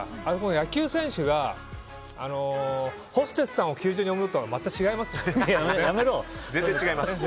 野球選手がホステスさんを球場に呼ぶのとは全く違いますからね。